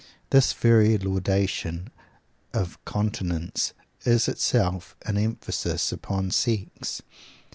This very laudation of continence is itself an emphasis upon sex.